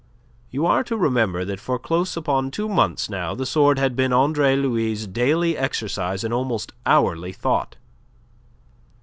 You are to remember that for close upon two months now the sword had been Andre Louis' daily exercise and almost hourly thought.